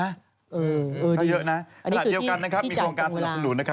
อันนี้คือที่จัดการุราค์